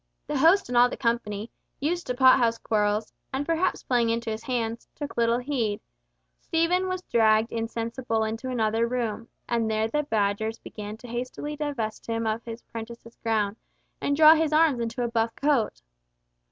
The host and all the company, used to pot house quarrels, and perhaps playing into his hands, took little heed; Stephen was dragged insensible into another room, and there the Badgers began hastily to divest him of his prentice's gown, and draw his arms into a buff coat.